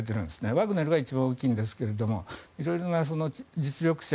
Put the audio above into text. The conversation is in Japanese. ワグネルが一番大きいんですけどいろんな実力者